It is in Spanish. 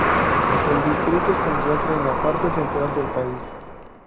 El distrito se encuentra en la parte central del país.